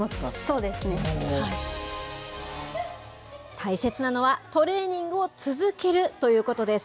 大切なのは、トレーニングを続けるということです。